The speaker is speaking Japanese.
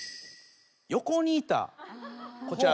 横にいたこちら。